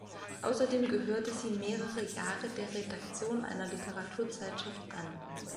Außerdem gehörte sie mehrere Jahre der Redaktion einer Literaturzeitschrift an.